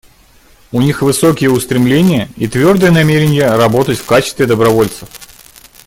У них высокие устремления и твердое намерение работать в качестве добровольцев.